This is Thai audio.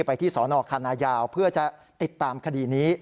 ไปที่สนคณะยาวเพื่อจะติดตามคดีนี้